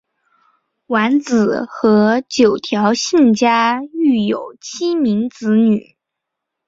完子和九条幸家育有七名子女。